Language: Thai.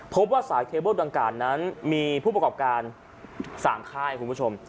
พบว่าสายเคเบิ้ลดังกล่าวนั้นมีผู้ประกอบการ๓ค่ายคุณผู้ชม